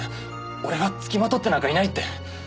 俺はつきまとってなんかいないって。